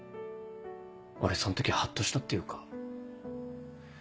俺その時ハッとしたっていうか。